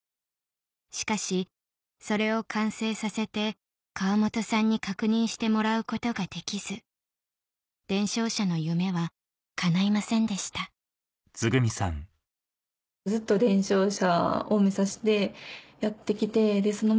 しかしそれを完成させて川本さんに確認してもらうことができず伝承者の夢はかないませんでしたのがすごく悔しかったですね。